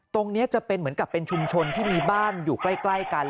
ตรงนี้จะเป็นเหมือนกับเป็นชุมชนที่มีบ้านอยู่ใกล้กัน